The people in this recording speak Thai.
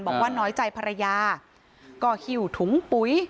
บอกว่าน้อยใจภรรยาก็หิวถุงปุ๋ย